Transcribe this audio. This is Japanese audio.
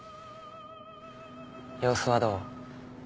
様子はどう？